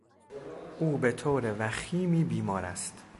او به طور وخیمی بیمار است.